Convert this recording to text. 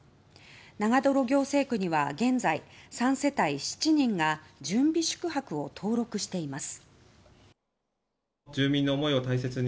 長泥行政区には現在３世帯７人が準備宿泊を登録しています。